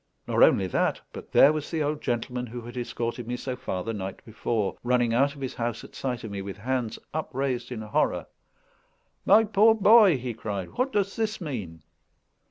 Nor only that, but there was the old gentleman who had escorted me so far the night before, running out of his house at sight of me, with hands upraised in horror. "My poor boy!" he cried, "what does this mean?"